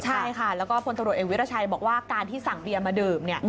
ใช่ค่ะแล้วก็พลตำรวจเอกวิราชัยบอกว่าการที่สั่งเบียร์มาดื่มเนี่ย